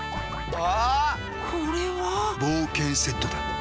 あ！